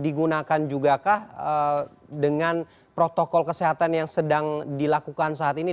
digunakan juga kah dengan protokol kesehatan yang sedang dilakukan saat ini